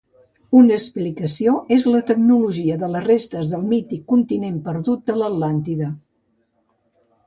Una explicació és la tecnologia de les restes del mític continent perdut de l'Atlàntida.